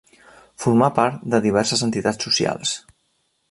Formà part de diverses entitats socials.